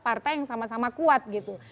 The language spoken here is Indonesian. partai yang sama sama kuat gitu